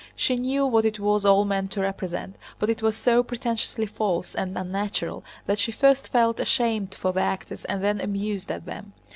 She knew what it was all meant to represent, but it was so pretentiously false and unnatural that she first felt ashamed for the actors and then amused at them.